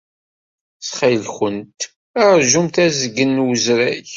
Ttxil-went, ṛjumt azgen n wesrag.